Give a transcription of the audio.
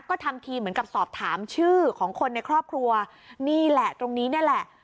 ก็ทำทีเหมือนกับสอบถามชื่อของคนในครอบครัวนี่แหละตรงนี้นี่แหละ